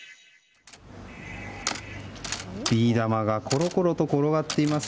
ビー玉がころころと転がっています。